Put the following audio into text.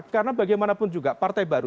karena bagaimanapun juga partai baru